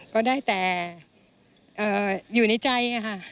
ก็ได้แต่อยู่ในใจค่ะ